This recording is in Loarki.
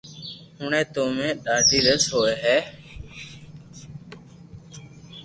ھوئي تو اووي ڌاڌي رݾ ھوئي ھي